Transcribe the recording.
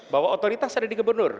bahwa otoritas ada di gubernur